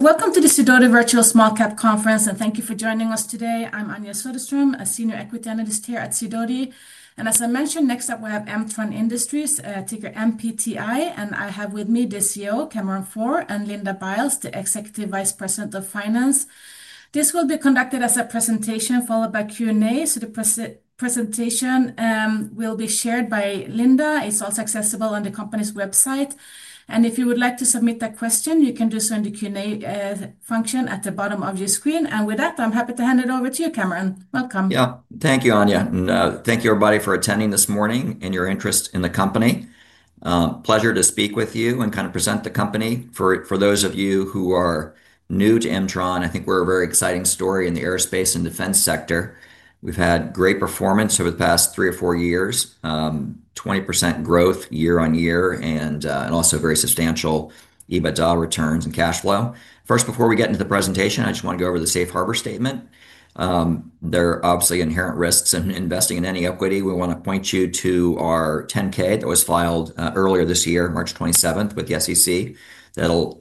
Welcome to the Sidoti Virtual Small Cap Conference, and thank you for joining us today. I'm Anja Soderstrom, a Senior Equity Analyst here at Sidoti. As I mentioned, next up, we have M-tron Industries, ticker MPTI, and I have with me the CEO, Cameron Pforr, and Linda Biles, the Executive Vice President of Finance. This will be conducted as a presentation followed by Q&A. The presentation will be shared by Linda. It's also accessible on the company's website. If you would like to submit a question, you can do so in the Q&A function at the bottom of your screen. With that, I'm happy to hand it over to you, Cameron. Welcome. Yeah, thank you, Anja, and thank you, everybody, for attending this morning and your interest in the company. Pleasure to speak with you and kind of present the company. For those of you who are new to M-tron, I think we're a very exciting story in the aerospace and defense sector. We've had great performance over the past three or four years, 20% growth year on year, and also very substantial EBITDA returns and cash flow. First, before we get into the presentation, I just want to go over the safe harbor statement. There are obviously inherent risks in investing in any equity. We want to point you to our 10-K that was filed earlier this year, March 27, with the SEC. That'll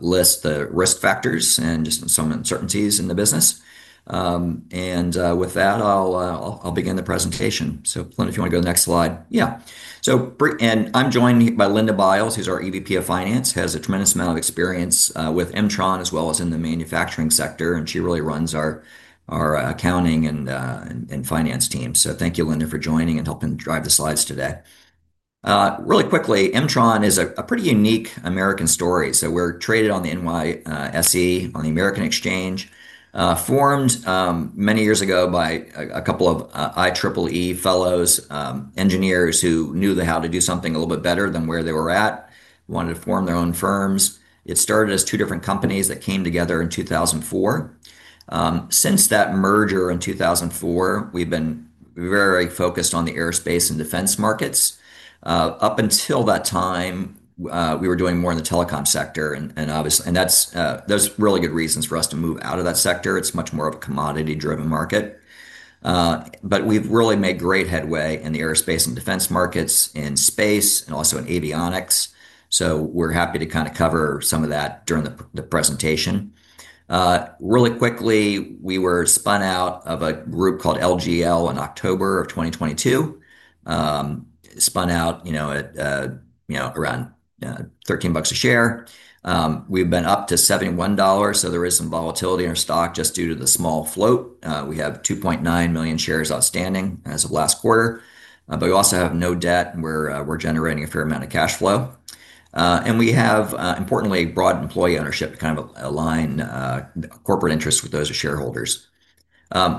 list the risk factors and just some uncertainties in the business. With that, I'll begin the presentation. Linda, if you want to go to the next slide. Yeah, great. I'm joined by Linda Biles, who's our EVP of Finance, has a tremendous amount of experience with M-tron as well as in the manufacturing sector, and she really runs our accounting and finance team. Thank you, Linda, for joining and helping drive the slides today. Really quickly, M-tron is a pretty unique American story. We're traded on the NYSE American Exchange, formed many years ago by a couple of IEEE fellows, engineers who knew how to do something a little bit better than where they were at, wanted to form their own firms. It started as two different companies that came together in 2004. Since that merger in 2004, we've been very focused on the aerospace and defense markets. Up until that time, we were doing more in the telecom sector, and obviously, those are really good reasons for us to move out of that sector. It's much more of a commodity-driven market. We've really made great headway in the aerospace and defense markets, in space, and also in avionics. We're happy to kind of cover some of that during the presentation. Really quickly, we were spun out of a group called LGL in October of 2022. Spun out at around $13 a share. We've been up to $71, so there is some volatility in our stock just due to the small float. We have 2.9 million shares outstanding as of last quarter. We also have no debt, and we're generating a fair amount of cash flow. We have, importantly, broad employee ownership to kind of align corporate interests with those of shareholders.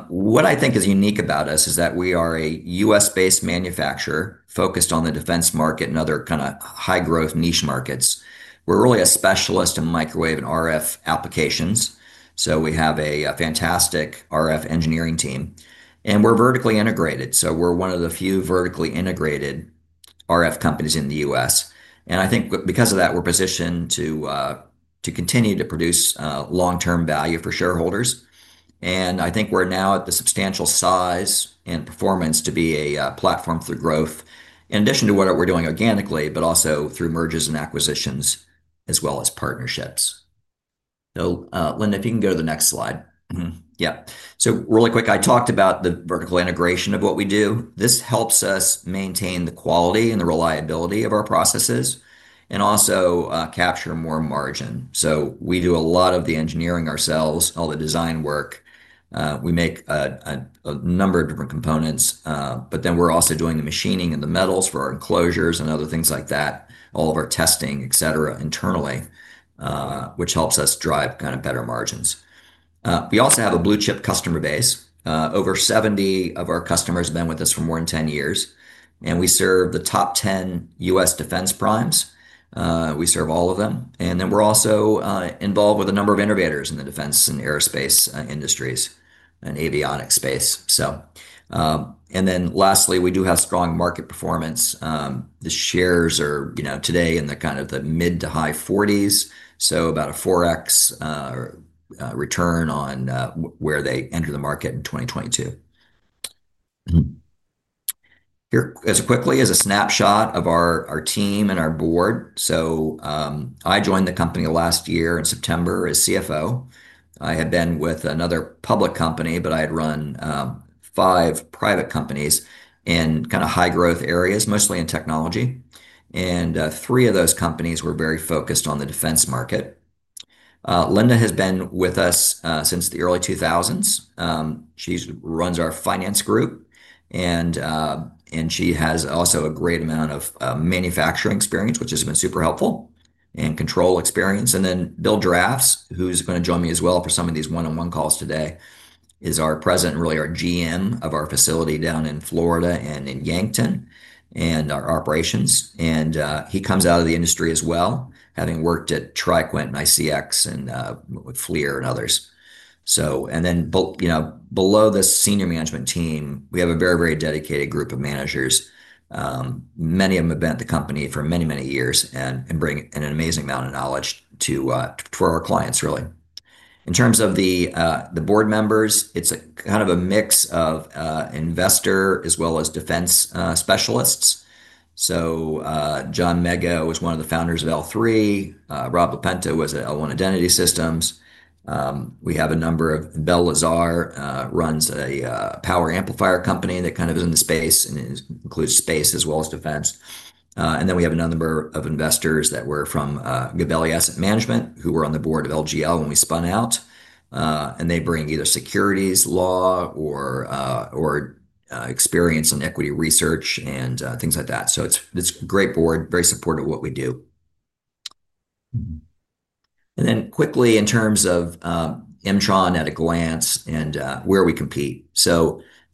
What I think is unique about us is that we are a U.S.-based manufacturer focused on the defense market and other kind of high-growth niche markets. We're really a specialist in microwave and RF applications. We have a fantastic RF engineering team, and we're vertically integrated. We're one of the few vertically integrated RF companies in the U.S. I think because of that, we're positioned to continue to produce long-term value for shareholders. I think we're now at the substantial size and performance to be a platform through growth, in addition to what we're doing organically, but also through mergers and acquisitions as well as partnerships. Linda, if you can go to the next slide. Really quick, I talked about the vertical integration of what we do. This helps us maintain the quality and the reliability of our processes and also capture more margin. We do a lot of the engineering ourselves, all the design work. We make a number of different components, but then we're also doing the machining and the metals for our enclosures and other things like that, all of our testing, etc., internally, which helps us drive kind of better margins. We also have a blue-chip customer base. Over 70 of our customers have been with us for more than 10 years. We serve the top 10 U.S. defense primes. We serve all of them. We're also involved with a number of innovators in the defense and aerospace industries and avionics space. Lastly, we do have strong market performance. The shares are today in the kind of the mid to high $40s, so about a 4x return on where they entered the market in 2022. Here is a quick snapshot of our team and our board. I joined the company last year in September as CFO. I had been with another public company, but I had run five private companies in kind of high-growth areas, mostly in technology. Three of those companies were very focused on the defense market. Linda has been with us since the early 2000s. She runs our finance group, and she has also a great amount of manufacturing experience, which has been super helpful, and control experience. Bill Drafts, who's going to join me as well for some of these one-on-one calls today, is our President and really our GM of our facility down in Florida and in Yankton and our operations. He comes out of the industry as well, having worked at TriQuint and ICX and FLIR and others. Below the senior management team, we have a very, very dedicated group of managers. Many of them have been at the company for many, many years and bring an amazing amount of knowledge to our clients, really. In terms of the board members, it's a kind of a mix of investor as well as defense specialists. John Mega was one of the founders of L3. Rob Lapenta was at L1 Identity Systems. We have a number of—Belle Lazare runs a power amplifier company that kind of is in the space and includes space as well as defense. We have a number of investors that were from Gabelli Asset Management, who were on the board of LGL when we spun out. They bring either securities law or experience in equity research and things like that. It's this great board, very supportive of what we do. Quickly, in terms of M-tron at a glance and where we compete.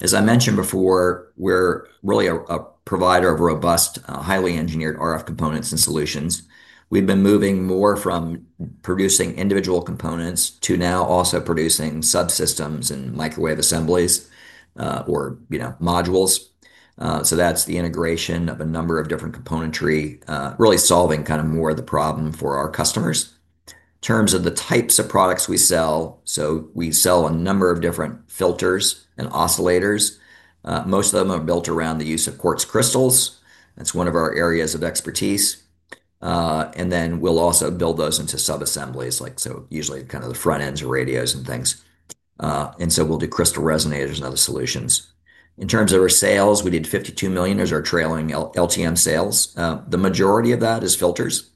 As I mentioned before, we're really a provider of robust, highly engineered RF components and solutions. We've been moving more from producing individual components to now also producing subsystems and microwave assemblies or modules. That's the integration of a number of different componentry, really solving kind of more of the problem for our customers. In terms of the types of products we sell, we sell a number of different filters and oscillators. Most of them are built around the use of quartz crystals. That's one of our areas of expertise. We'll also build those into subassemblies, like usually kind of the front ends of radios and things. We'll do crystal resonators and other solutions. In terms of our sales, we did $52 million. Those are trailing LTM sales. The majority of that is filters.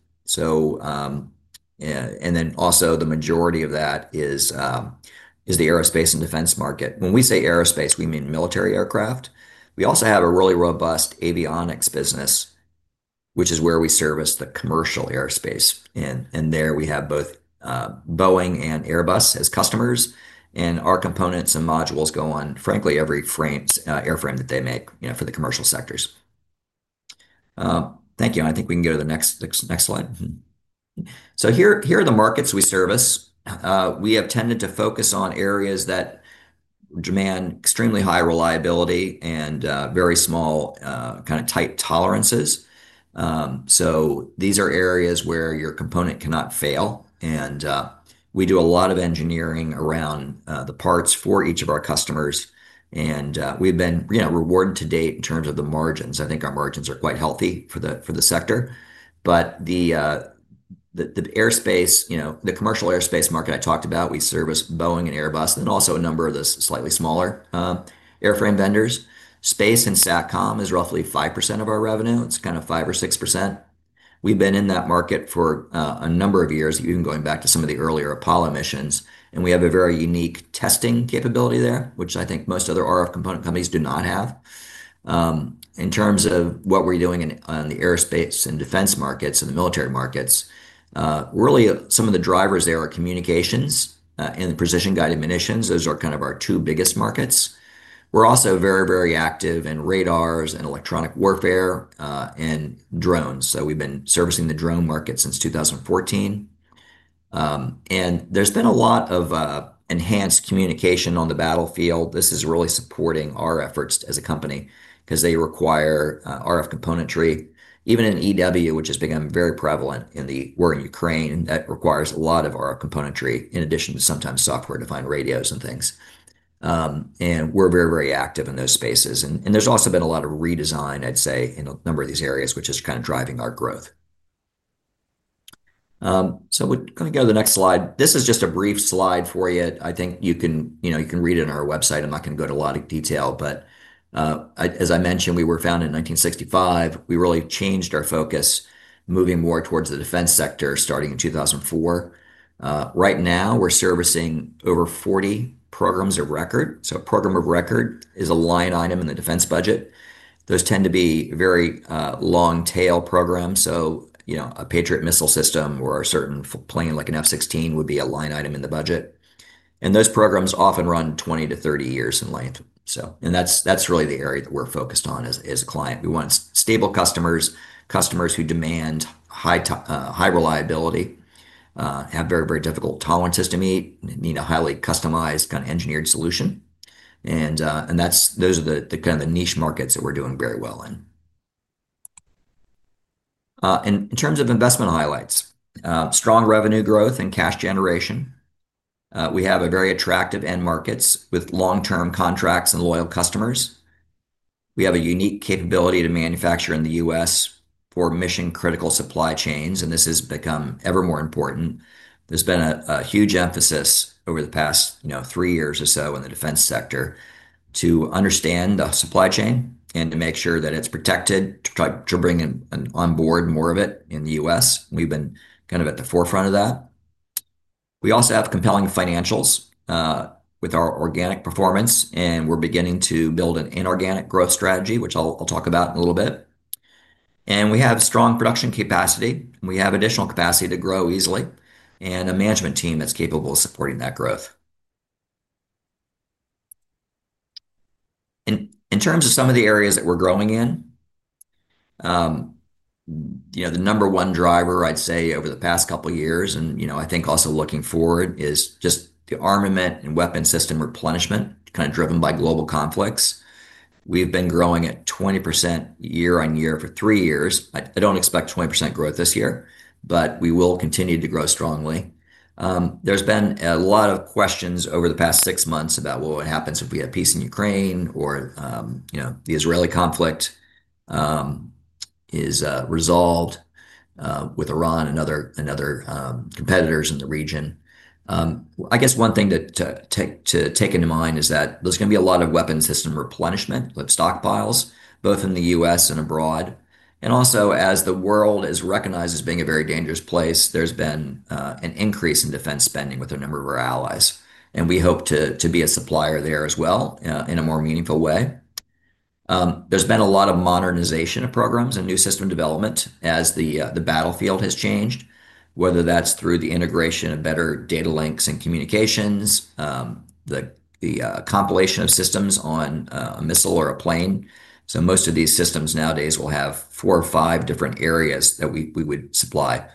The majority of that is the aerospace and defense market. When we say aerospace, we mean military aircraft. We also have a really robust avionics business, which is where we service the commercial aerospace. There we have both Boeing and Airbus as customers. Our components and modules go on, frankly, every airframe that they make for the commercial sectors. Thank you. I think we can go to the next slide. Here are the markets we service. We have tended to focus on areas that demand extremely high reliability and very small kind of tight tolerances. These are areas where your component cannot fail. We do a lot of engineering around the parts for each of our customers. We've been rewarded to date in terms of the margins. I think our margins are quite healthy for the sector. The aerospace, the commercial aerospace market I talked about, we service Boeing and Airbus and also a number of the slightly smaller airframe vendors. Space and SATCOM is roughly 5% of our revenue. It's kind of 5% or 6%. We've been in that market for a number of years, even going back to some of the earlier Apollo missions. We have a very unique testing capability there, which I think most other RF component companies do not have. In terms of what we're doing in the aerospace and defense markets and the military markets, really some of the drivers there are communications and the precision-guided munitions. Those are kind of our two biggest markets. We're also very, very active in radars and electronic warfare and drones. We've been servicing the drone market since 2014. There's been a lot of enhanced communication on the battlefield. This is really supporting our efforts as a company because they require RF componentry. Even in electronic warfare, which has become very prevalent in the war in Ukraine, that requires a lot of RF componentry in addition to sometimes software-defined radios and things. We're very, very active in those spaces. There's also been a lot of redesign, I'd say, in a number of these areas, which is kind of driving our growth. We're going to go to the next slide. This is just a brief slide for you. I think you can read it on our website. I'm not going to go to a lot of detail. As I mentioned, we were founded in 1965. We really changed our focus, moving more towards the defense sector starting in 2004. Right now, we're servicing over 40 programs of record. A program of record is a line item in the defense budget. Those tend to be very long-tail programs. A Patriot missile system or a certain plane like an F-16 would be a line item in the budget. Those programs often run 20 to 30 years in length. That's really the area we're focused on as a client. We want stable customers, customers who demand high reliability, have very, very difficult tolerances to meet, need a highly customized kind of engineered solution. Those are the kind of the niche markets that we're doing very well in. In terms of investment highlights, strong revenue growth and cash generation. We have very attractive end markets with long-term contracts and loyal customers. We have a unique capability to manufacture in the U.S. for mission-critical supply chains, and this has become ever more important. There's been a huge emphasis over the past three years or so in the defense sector to understand the supply chain and to make sure that it's protected, to try to bring on board more of it in the U.S. We've been kind of at the forefront of that. We also have compelling financials with our organic performance, and we're beginning to build an inorganic growth strategy, which I'll talk about in a little bit. We have strong production capacity. We have additional capacity to grow easily and a management team that's capable of supporting that growth. In terms of some of the areas that we're growing in, the number one driver, I'd say, over the past couple of years, and I think also looking forward, is just the armament and weapon system replenishment, kind of driven by global conflicts. We've been growing at 20% year on year for three years. I don't expect 20% growth this year, but we will continue to grow strongly. There's been a lot of questions over the past six months about what would happen if we had peace in Ukraine or the Israeli conflict is resolved with Iran and other competitors in the region. One thing to take into mind is that there's going to be a lot of weapon system replenishment of stockpiles, both in the U.S. and abroad. Also, as the world is recognized as being a very dangerous place, there's been an increase in defense spending with a number of our allies. We hope to be a supplier there as well in a more meaningful way. There's been a lot of modernization of programs and new system development as the battlefield has changed, whether that's through the integration of better data links and communications, the compilation of systems on a missile or a plane. Most of these systems nowadays will have four or five different areas that we would supply.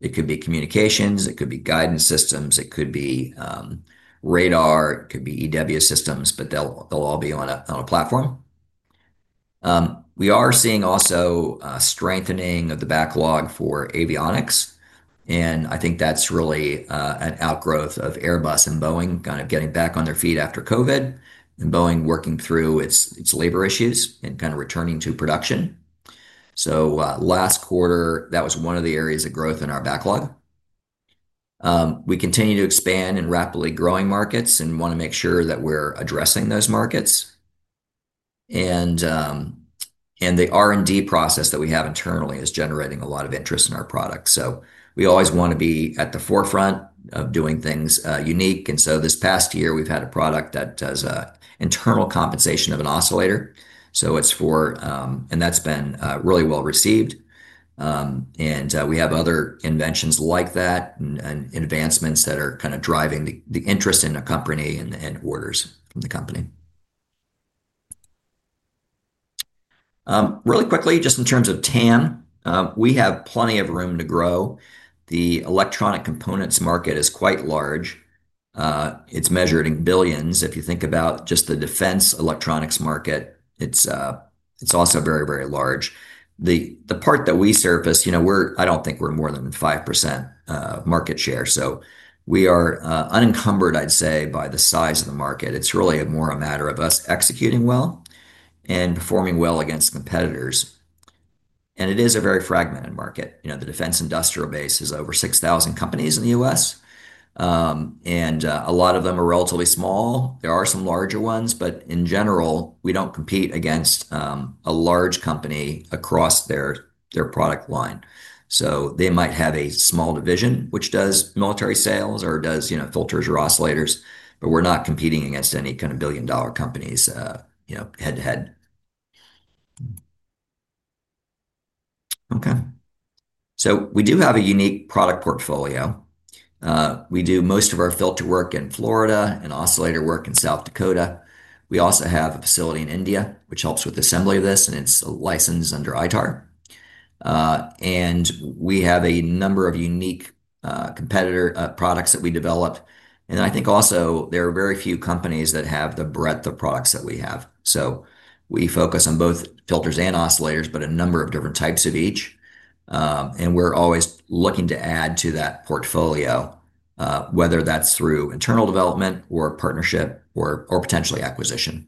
It could be communications, it could be guidance systems, it could be radar, it could be EW systems, but they'll all be on a platform. We are seeing also strengthening of the backlog for avionics. I think that's really an outgrowth of Airbus and Boeing kind of getting back on their feet after COVID and Boeing working through its labor issues and kind of returning to production. Last quarter, that was one of the areas of growth in our backlog. We continue to expand in rapidly growing markets and want to make sure that we're addressing those markets. The R&D process that we have internally is generating a lot of interest in our product. We always want to be at the forefront of doing things unique. This past year, we've had a product that does internal compensation of an oscillator. It's for, and that's been really well received. We have other inventions like that and advancements that are kind of driving the interest in the company and orders from the company. Really quickly, just in terms of TAM, we have plenty of room to grow. The electronic components market is quite large. It's measured in billions. If you think about just the defense electronics market, it's also very, very large. The part that we service, you know, I don't think we're more than 5% market share. We are unencumbered, I'd say, by the size of the market. It's really more a matter of us executing well and performing well against competitors. It is a very fragmented market. The defense industrial base is over 6,000 companies in the U.S. A lot of them are relatively small. There are some larger ones, but in general, we don't compete against a large company across their product line. They might have a small division which does military sales or does filters or oscillators, but we're not competing against any kind of billion-dollar companies head to head. We do have a unique product portfolio. We do most of our filter work in Florida and oscillator work in South Dakota. We also have a facility in India, which helps with assembly of this, and it's licensed under ITAR. We have a number of unique products that we developed. I think also there are very few companies that have the breadth of products that we have. We focus on both filters and oscillators, but a number of different types of each. We're always looking to add to that portfolio, whether that's through internal development or partnership or potentially acquisition.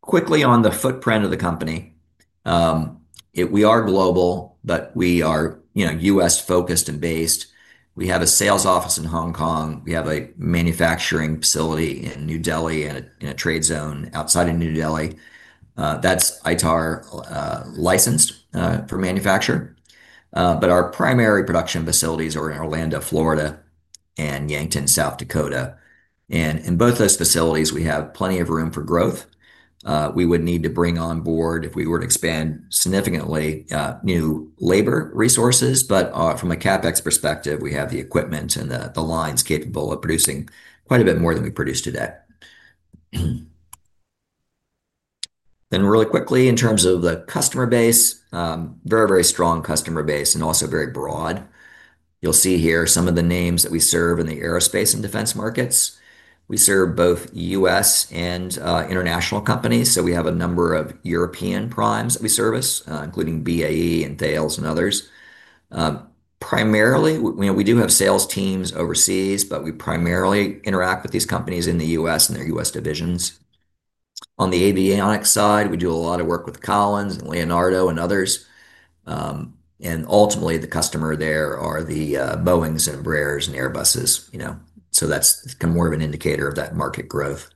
Quickly on the footprint of the company, we are global, but we are U.S.-focused and based. We have a sales office in Hong Kong. We have a manufacturing facility in New Delhi and a trade zone outside of New Delhi. That's ITAR licensed for manufacture. Our primary production facilities are in Orlando, Florida, and Yankton, South Dakota. In both those facilities, we have plenty of room for growth. We would need to bring on board, if we were to expand significantly, new labor resources. From a CapEx perspective, we have the equipment and the lines capable of producing quite a bit more than we produce today. In terms of the customer base, very, very strong customer base and also very broad. You'll see here some of the names that we serve in the aerospace and defense markets. We serve both U.S. and international companies. We have a number of European primes that we service, including BAE and Thales and others. We do have sales teams overseas, but we primarily interact with these companies in the U.S. and their U.S. divisions. On the avionics side, we do a lot of work with Collins and Leonardo and others. Ultimately, the customer there are the Boeings and Embraers and Airbuses. That's kind of more of an indicator of that market growth.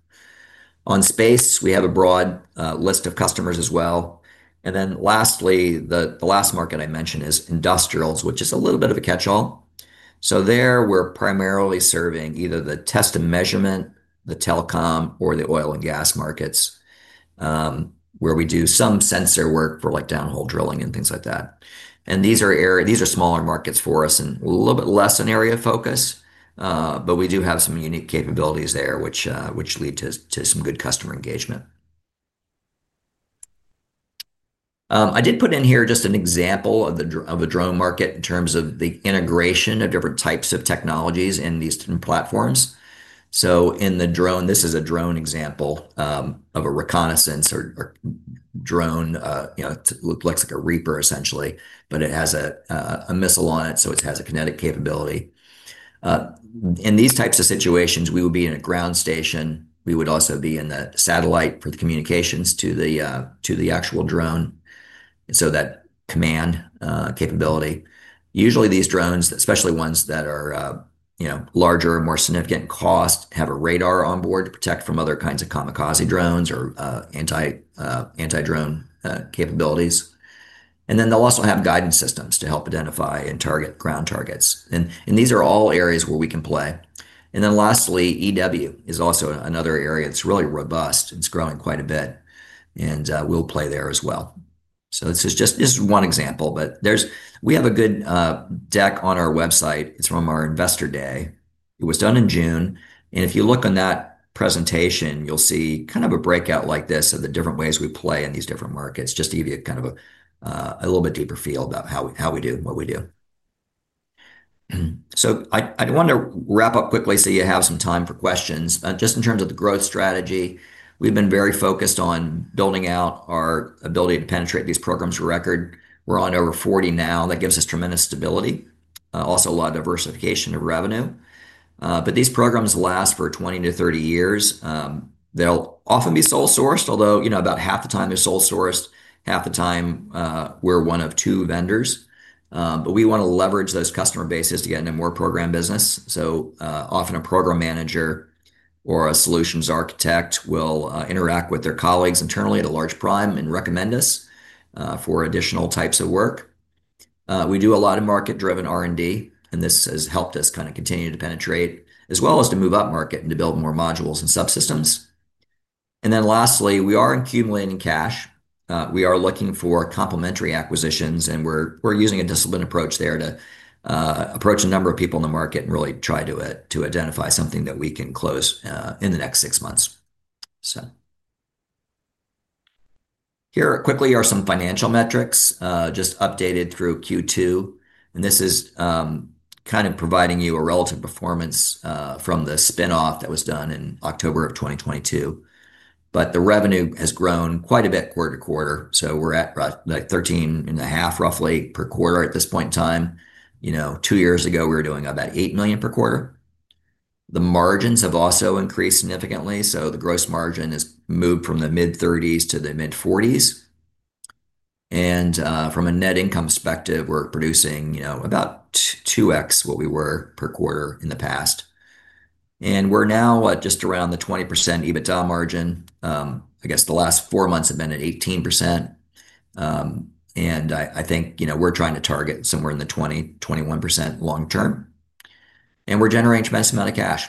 On space, we have a broad list of customers as well. Lastly, the last market I mentioned is industrials, which is a little bit of a catch-all. There, we're primarily serving either the test and measurement, the telecom, or the oil and gas markets, where we do some sensor work for downhole drilling and things like that. These are smaller markets for us and a little bit less an area of focus. We do have some unique capabilities there, which lead to some good customer engagement. I did put in here just an example of the drone market in terms of the integration of different types of technologies in these different platforms. In the drone, this is a drone example of a reconnaissance or drone. It looks like a Reaper, essentially, but it has a missile on it, so it has a kinetic capability. In these types of situations, we would be in a ground station. We would also be in the satellite for the communications to the actual drone, and so that command capability. Usually, these drones, especially ones that are larger, more significant in cost, have a radar on board to protect from other kinds of kamikaze drones or anti-drone capabilities. They'll also have guidance systems to help identify and target ground targets. These are all areas where we can play. Lastly, EW is also another area that's really robust. It's growing quite a bit, and we'll play there as well. This is just one example. We have a good deck on our website. It's from our investor day. It was done in June. If you look on that presentation, you'll see kind of a breakout like this of the different ways we play in these different markets, just to give you kind of a little bit deeper feel about how we do what we do. I want to wrap up quickly so you have some time for questions. In terms of the growth strategy, we've been very focused on building out our ability to penetrate these programs for record. We're on over 40 now. That gives us tremendous stability, also a lot of diversification of revenue. These programs last for 20 to 30 years. They'll often be sole sourced, although about half the time they're sole sourced, half the time we're one of two vendors. We want to leverage those customer bases to get into more program business. Often a program manager or a solutions architect will interact with their colleagues internally at a large prime and recommend us for additional types of work. We do a lot of market-driven R&D, and this has helped us continue to penetrate as well as to move up market and to build more modules and subsystems. Lastly, we are accumulating cash. We are looking for complementary acquisitions, and we're using a disciplined approach there to approach a number of people in the market and really try to identify something that we can close in the next six months. Here quickly are some financial metrics just updated through Q2. This is providing you a relative performance from the spin-off that was done in October 2022. The revenue has grown quite a bit quarter to quarter. We're at like $13.5 million roughly per quarter at this point in time. Two years ago, we were doing about $8 million per quarter. The margins have also increased significantly. The gross margin has moved from the mid-30% to the mid-40%. From a net income perspective, we're producing about 2x what we were per quarter in the past. We're now at just around the 20% EBITDA margin. The last four months have been at 18%. I think we're trying to target somewhere in the 20% to 21% long term. We're generating a tremendous amount of cash.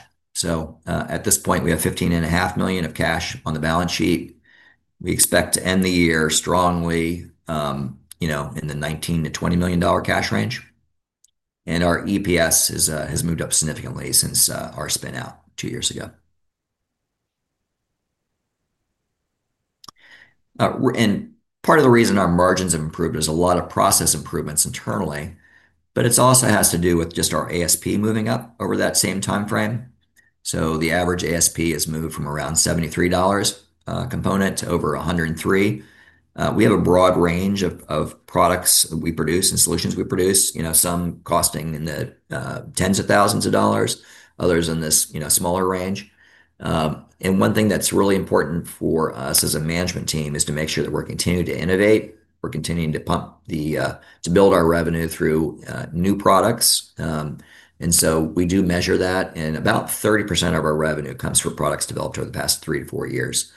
At this point, we have $15.5 million of cash on the balance sheet. We expect to end the year strongly in the $19 million to $20 million cash range. Our EPS has moved up significantly since our spin-out two years ago. Part of the reason our margins have improved is a lot of process improvements internally. It also has to do with just our ASP moving up over that same time frame. The average ASP has moved from around $73 a component to over $103. We have a broad range of products that we produce and solutions we produce, some costing in the tens of thousands of dollars, others in this smaller range. One thing that's really important for us as a management team is to make sure that we're continuing to innovate. We're continuing to build our revenue through new products. We do measure that, and about 30% of our revenue comes from products developed over the past three to four years.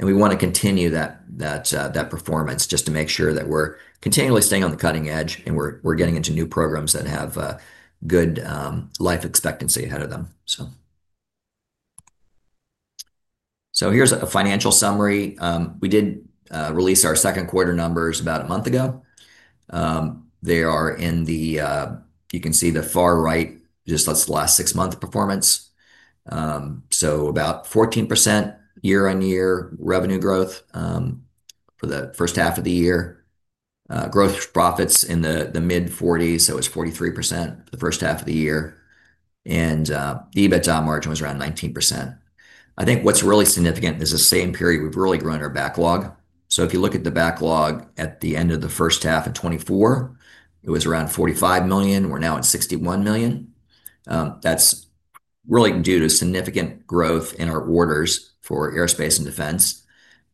We want to continue that performance just to make sure that we're continually staying on the cutting edge and we're getting into new programs that have good life expectancy ahead of them. Here's a financial summary. We did release our second quarter numbers about a month ago. You can see the far right, that's the last six months of performance. About 14% year-on-year revenue growth for the first half of the year. Gross profits in the mid-40s, it was 43% for the first half of the year. EBITDA margin was around 19%. What's really significant is the same period we've really grown our backlog. If you look at the backlog at the end of the first half in 2024, it was around $45 million. We're now at $61 million. That's really due to significant growth in our orders for aerospace and defense.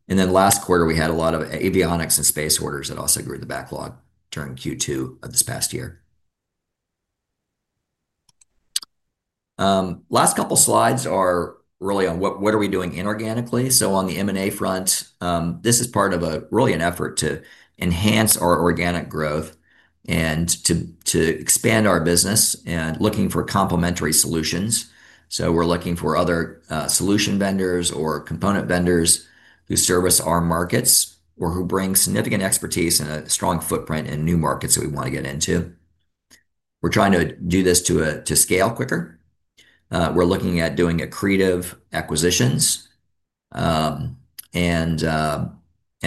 Last quarter, we had a lot of avionics and space orders that also grew the backlog during Q2 of this past year. The last couple of slides are really on what we are doing inorganically. On the M&A front, this is part of an effort to enhance our organic growth and to expand our business and looking for complementary solutions. We're looking for other solution vendors or component vendors who service our markets or who bring significant expertise and a strong footprint in new markets that we want to get into. We're trying to do this to scale quicker. We're looking at doing accretive acquisitions and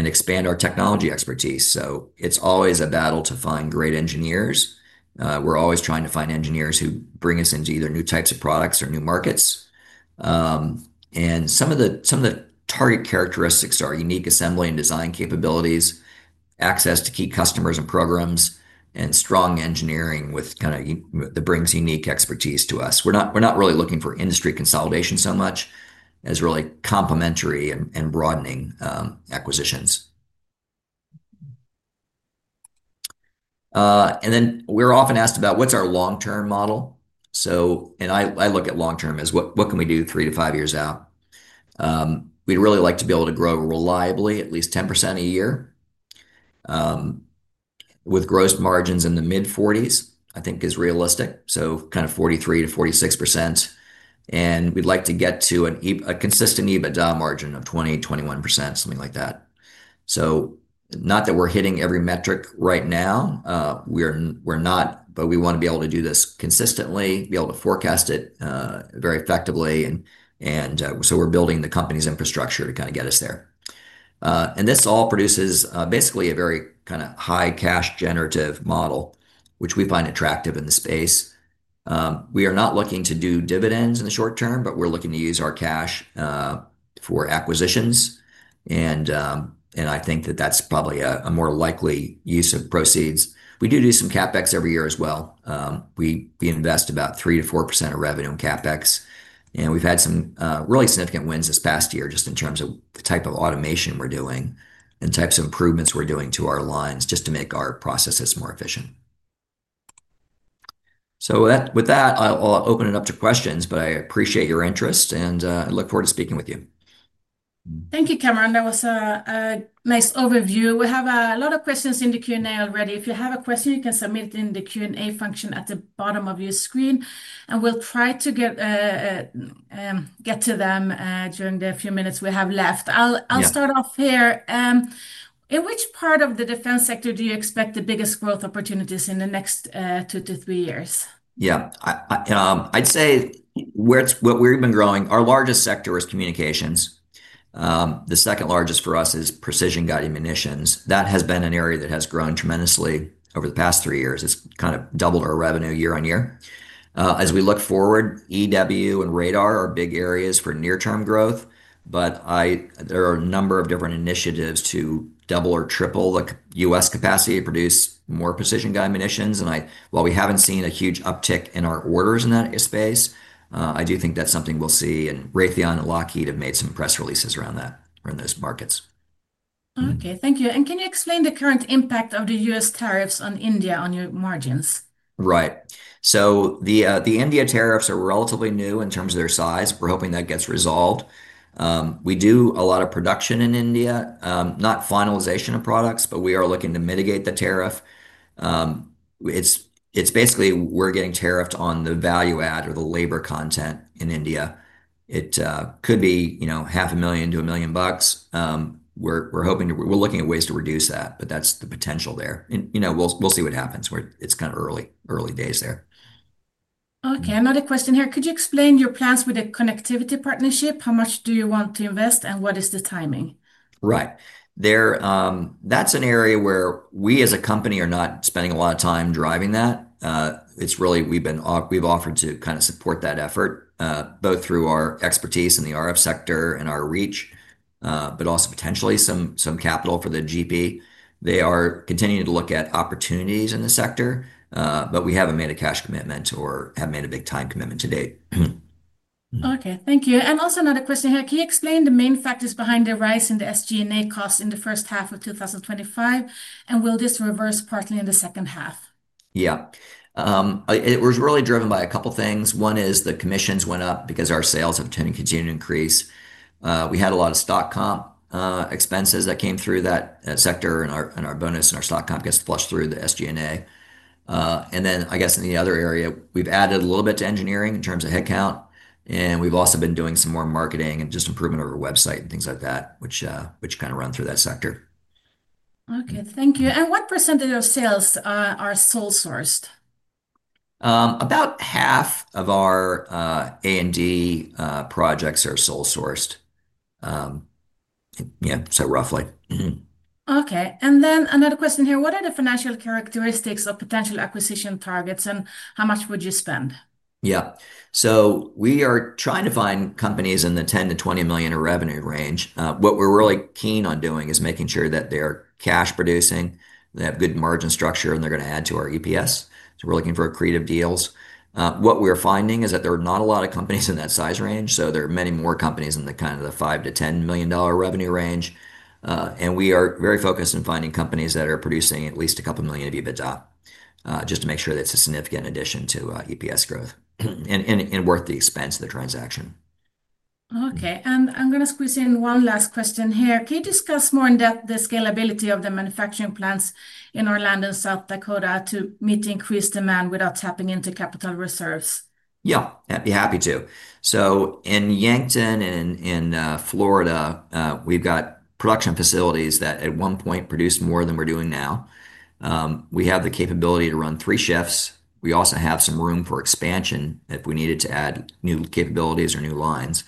expand our technology expertise. It's always a battle to find great engineers. We're always trying to find engineers who bring us into either new types of products or new markets. Some of the target characteristics are unique assembly and design capabilities, access to key customers and programs, and strong engineering that brings unique expertise to us. We're not really looking for industry consolidation so much as really complementary and broadening acquisitions. We're often asked about what's our long-term model. I look at long term as what can we do three to five years out. We'd really like to be able to grow reliably at least 10% a year with gross margins in the mid-40s, I think is realistic, so kind of 43% to 46%. We'd like to get to a consistent EBITDA margin of 20%, 21%, something like that. Not that we're hitting every metric right now. We're not, but we want to be able to do this consistently, be able to forecast it very effectively. We're building the company's infrastructure to kind of get us there. This all produces basically a very kind of high cash generative model, which we find attractive in the space. We are not looking to do dividends in the short term, but we're looking to use our cash for acquisitions. I think that that's probably a more likely use of proceeds. We do do some CapEx every year as well. We invest about 3% to 4% of revenue in CapEx. We've had some really significant wins this past year just in terms of the type of automation we're doing and types of improvements we're doing to our lines just to make our processes more efficient. With that, I'll open it up to questions, but I appreciate your interest and look forward to speaking with you. Thank you, Cameron. That was a nice overview. We have a lot of questions in the Q&A already. If you have a question, you can submit it in the Q&A function at the bottom of your screen. We'll try to get to them during the few minutes we have left. I'll start off here. In which part of the defense sector do you expect the biggest growth opportunities in the next two to three years? Yeah, I'd say what we've been growing, our largest sector is communications. The second largest for us is precision-guided munitions. That has been an area that has grown tremendously over the past three years. It's kind of doubled our revenue year on year. As we look forward, electronic warfare and radar are big areas for near-term growth. There are a number of different initiatives to double or triple the U.S. capacity to produce more precision-guided munitions. While we haven't seen a huge uptick in our orders in that space, I do think that's something we'll see. Raytheon and Lockheed have made some press releases around that in those markets. OK, thank you. Can you explain the current impact of the U.S. tariffs on India on your margins? Right. The India tariffs are relatively new in terms of their size. We're hoping that gets resolved. We do a lot of production in India, not finalization of products, but we are looking to mitigate the tariff. It's basically we're getting tariffed on the value add or the labor content in India. It could be $500,000 to $1 million. We're looking at ways to reduce that, but that's the potential there. We'll see what happens. It's kind of early days there. OK, another question here. Could you explain your plans with a connectivity partnership? How much do you want to invest, and what is the timing? Right. That's an area where we as a company are not spending a lot of time driving that. We've offered to kind of support that effort, both through our expertise in the RF sector and our reach, but also potentially some capital for the GP. They are continuing to look at opportunities in the sector, but we haven't made a cash commitment or made a big time commitment to date. OK, thank you. Also, another question here. Can you explain the main factors behind the rise in the SG&A costs in the first half of 2025? Will this reverse partly in the second half? Yeah, it was really driven by a couple of things. One is the commissions went up because our sales have continued to increase. We had a lot of stock comp expenses that came through that sector, and our bonus and our stock comp gets flushed through the SG&A. In the other area, we've added a little bit to engineering in terms of headcount. We've also been doing some more marketing and just improvement of our website and things like that, which kind of run through that sector. OK, thank you. What percentage of sales are sole sourced? About half of our A&D projects are sole sourced, yeah, so roughly. OK, and then another question here. What are the financial characteristics of potential acquisition targets, and how much would you spend? Yeah, we are trying to find companies in the $10 million to $20 million revenue range. What we're really keen on doing is making sure that they're cash producing, they have good margin structure, and they're going to add to our EPS. We're looking for accretive deals. What we're finding is that there are not a lot of companies in that size range. There are many more companies in the $5 million to $10 million revenue range. We are very focused on finding companies that are producing at least a couple million of EBITDA just to make sure that's a significant addition to EPS growth and worth the expense of the transaction. OK, and I'm going to squeeze in one last question here. Can you discuss more in depth the scalability of the manufacturing plants in Orlando, South Dakota, to meet increased demand without tapping into capital reserves? Yeah, I'd be happy to. In Yankton and in Florida, we've got production facilities that at one point produced more than we're doing now. We have the capability to run three shifts. We also have some room for expansion if we needed to add new capabilities or new lines.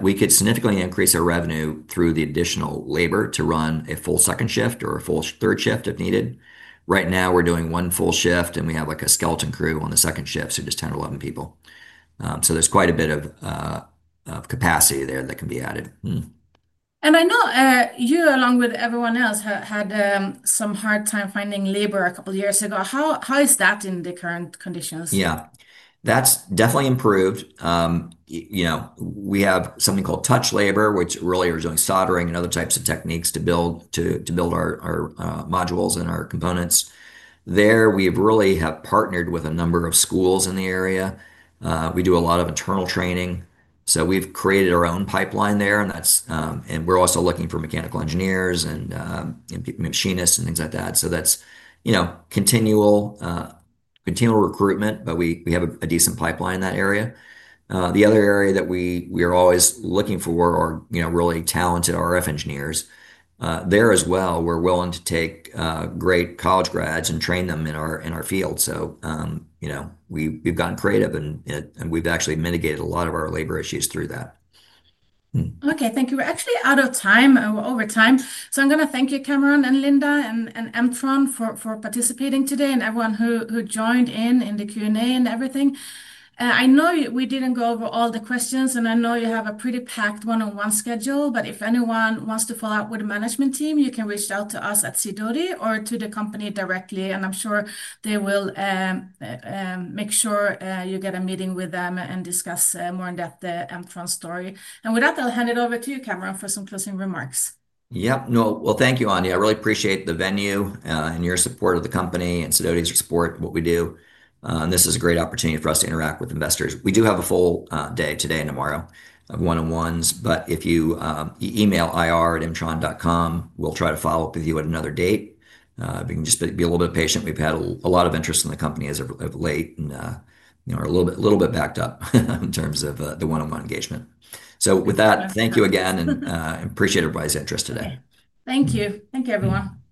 We could significantly increase our revenue through the additional labor to run a full second shift or a full third shift if needed. Right now, we're doing one full shift, and we have a skeleton crew on the second shift, so just 10 or 11 people. There's quite a bit of capacity there that can be added. I know you, along with everyone else, had some hard time finding labor a couple of years ago. How is that in the current conditions? Yeah, that's definitely improved. We have something called touch labor, which really is doing soldering and other types of techniques to build our modules and our components. There, we really have partnered with a number of schools in the area. We do a lot of internal training. We've created our own pipeline there. We're also looking for mechanical engineers and machinists and things like that. That's continual recruitment, but we have a decent pipeline in that area. The other area that we are always looking for are really talented RF engineers. There as well, we're willing to take great college grads and train them in our field. We've gotten creative, and we've actually mitigated a lot of our labor issues through that. OK, thank you. We're actually out of time. We're over time. I'm going to thank you, Cameron, and Linda and M-tron for participating today and everyone who joined in in the Q&A and everything. I know we didn't go over all the questions, and I know you have a pretty packed one-on-one schedule. If anyone wants to follow up with the management team, you can reach out to us at Sidoti or to the company directly. I'm sure they will make sure you get a meeting with them and discuss more in depth the M-tron story. With that, I'll hand it over to you, Cameron, for some closing remarks. Thank you, Anja. I really appreciate the venue and your support of the company and Sidoti's support of what we do. This is a great opportunity for us to interact with investors. We do have a full day today and tomorrow of one-on-ones. If you email ir@mtron.com, we'll try to follow up with you at another date. If you can just be a little bit patient, we've had a lot of interest in the company as of late and are a little bit backed up in terms of the one-on-one engagement. Thank you again and appreciate everybody's interest today. Thank you. Thank you, everyone.